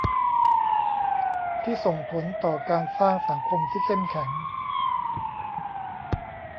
ที่ส่งผลต่อการสร้างสังคมที่เข้มแข็ง